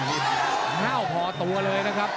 ห้าวพอตัวเลยนะครับ